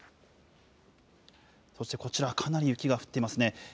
そしてこちら、かなり雪が降っていますね。